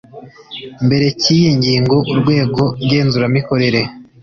mbere cy iyi ngingo Urwego ngenzuramikorere